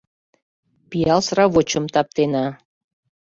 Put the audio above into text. Пиал сравочым таптена.